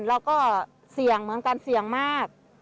เราก็เสี่ยงเหมือนกันเสี่ยงมาก